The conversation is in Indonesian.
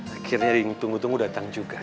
akhirnya ring tunggu tunggu datang juga